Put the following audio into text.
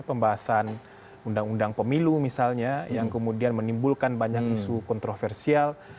pembahasan undang undang pemilu misalnya yang kemudian menimbulkan banyak isu kontroversial